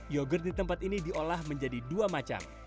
yogurt di tempat ini diolah menjadi dua macam